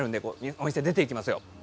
お店を出ていきますよ。